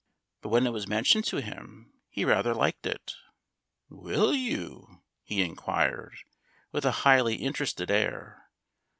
But when it was mentioned to him, he rather liked it. "Will you?" he inquired, with a highly interested air.